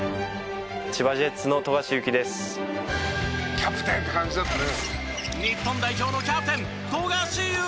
「キャプテン！って感じだったね」